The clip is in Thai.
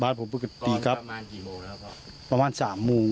ประมาณกี่โมงแล้วครับพ่อประมาณสามโมงประมาณสามโมง